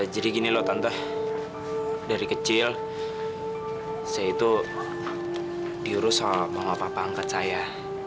jadi gini loh tante dari kecil saya itu diurus sama mama papa angkat saya